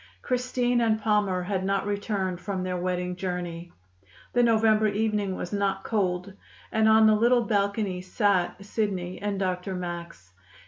Christine and Palmer had not returned from their wedding journey. The November evening was not cold, and on the little balcony sat Sidney and Dr. Max.